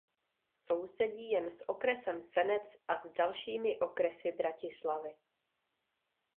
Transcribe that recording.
Sousedí jen s okresem Senec a s dalšími okresy Bratislavy.